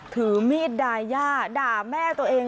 ถือมีดดายย่าด่าแม่ตัวเอง